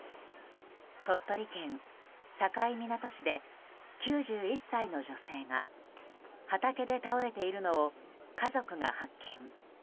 鳥取県境港市で９１歳の女性が畑で倒れているのを家族が発見。